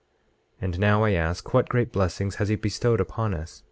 26:2 And now, I ask, what great blessings has he bestowed upon us?